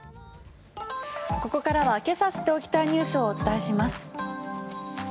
ここからはけさ知っておきたいニュースをお伝えします。